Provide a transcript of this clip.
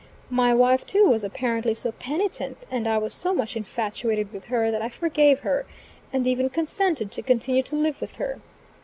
My wife too, was apparently so penitent, and I was so much infatuated with her, that I forgave her, and even consented to continue to live with her.